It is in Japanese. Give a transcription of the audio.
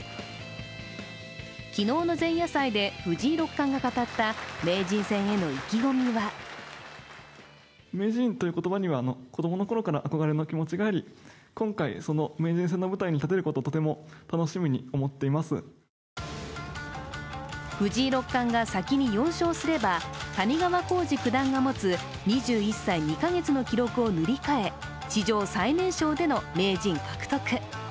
昨日の前夜祭で藤井六冠が語った、名人戦への意気込みは藤井六冠が先に４勝すれば谷川浩司九段が持つ２１歳２か月の記録を塗り替え、史上最年少での名人獲得。